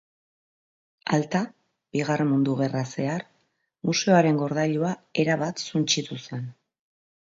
Alta, Bigarren Mundu Gerra zehar, museoaren gordailua erabat suntsitu zen.